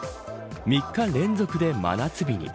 ３日連続で真夏日に。